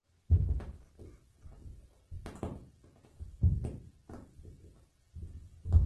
Las configuraciones de una curva serían un espacio funcional de alguna clase.